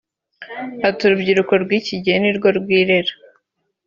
Ati ”Urubyiruko rw’iki gihe ni rwo rwirera